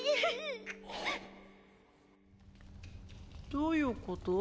どういうこと？